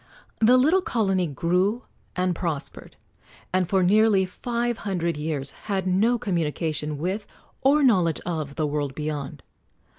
The little colony grew and prospered, and for nearly five hundred years had no communication with, or knowledge of, the world beyond.